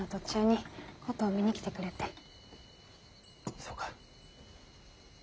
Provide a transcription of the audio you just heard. そうか。